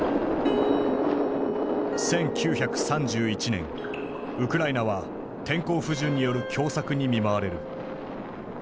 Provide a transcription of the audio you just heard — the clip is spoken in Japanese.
１９３１年ウクライナは天候不順による凶作に見舞われる。